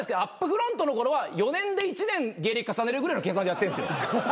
フロントのころは４年で１年芸歴重ねるぐらいの計算でやってるんですよ。